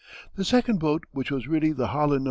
The second boat which was really the _Holland No.